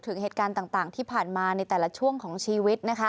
ถึงเหตุการณ์ต่างที่ผ่านมาในแต่ละช่วงของชีวิตนะคะ